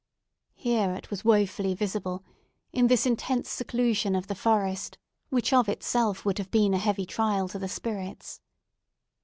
Here it was wofully visible, in this intense seclusion of the forest, which of itself would have been a heavy trial to the spirits.